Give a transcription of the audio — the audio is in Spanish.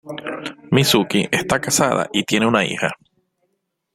Mizuki está casada y tiene una hija.